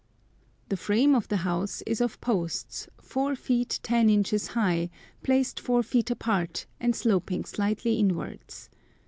The frame of the house is of posts, 4 feet 10 inches high, placed 4 feet apart, and sloping slightly inwards.